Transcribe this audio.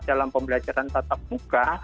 dalam pembelajaran tatap muka